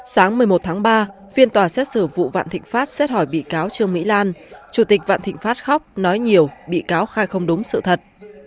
sáng một mươi một tháng ba phiên tòa xét xử vụ vạn thịnh pháp xét hỏi bị cáo trương mỹ lan chủ tịch vạn thịnh pháp khóc nói nhiều bị cáo khai không đúng sự thật